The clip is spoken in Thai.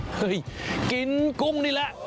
เคยกินกุ้งนี่แหละ